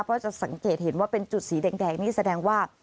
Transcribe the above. เพราะจะสังเกตเห็นว่าเป็นจุดสีแดงนี่แสดงว่า